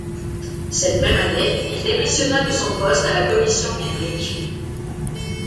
Cette même année, il démissionna de son poste à la Commission biblique.